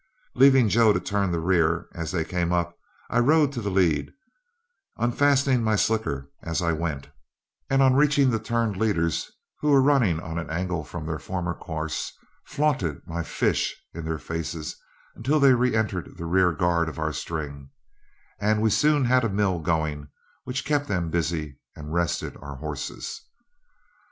Leaving Joe to turn the rear as they came up, I rode to the lead, unfastening my slicker as I went, and on reaching the turned leaders, who were running on an angle from their former course, flaunted my "fish" in their faces until they reentered the rear guard of our string, and we soon had a mill going which kept them busy, and rested our horses.